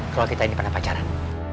kalau kita ini pernah pacaran